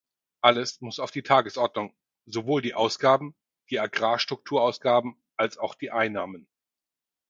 Alles muss auf die Tagesordnung, sowohl die Ausgaben, die Agrarstrukturausgaben als auch die Einnahmen.